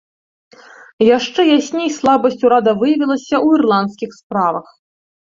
Яшчэ ясней слабасць урада выявілася ў ірландскіх справах.